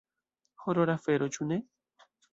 Horora afero, ĉu ne?